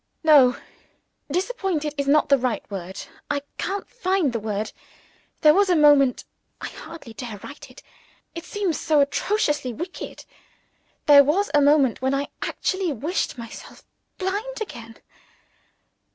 No. "Disappointed" is not the word. I can't find the word. There was a moment I hardly dare write it: it seems so atrociously wicked there was a moment when I actually wished myself blind again.